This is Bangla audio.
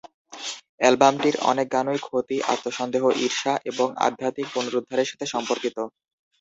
অ্যালবামটির অনেক গানই ক্ষতি, আত্ম-সন্দেহ, ঈর্ষা এবং আধ্যাত্মিক পুনরুদ্ধারের সাথে সম্পর্কিত।